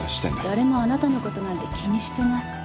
誰もあなたのことなんて気にしていない。